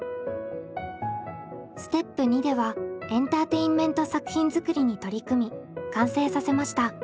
ステップ２ではエンターテインメント作品作りに取り組み完成させました。